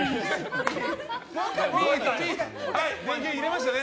電源入れましたね。